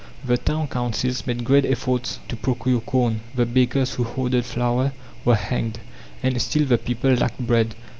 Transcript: The town councils made great efforts to procure corn; the bakers who hoarded flour were hanged and still the people lacked bread.